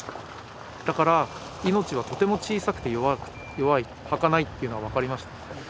だから命はとても小さくて弱いはかないというのが分かりました。